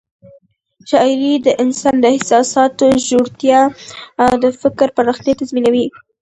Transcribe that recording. شاعري د انسان د احساساتو ژورتیا او د فکر پراختیا تضمینوي.